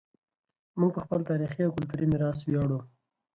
موږ په خپل تاریخي او کلتوري میراث ویاړ کوو.